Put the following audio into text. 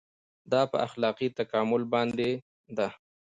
دا په اخلاقي تکامل باندې ده.